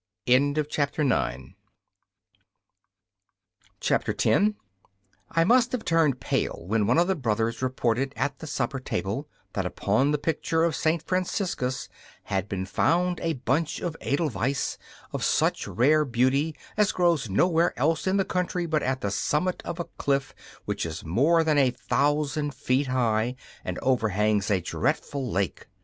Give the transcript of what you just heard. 10 I must have turned pale when one of the brothers reported at the supper table that upon the picture of Saint Franciscus had been found a bunch of edelweiss of such rare beauty as grows nowhere else in the country but at the summit of a cliff which is more than a thousand feet high, and overhangs a dreadful lake.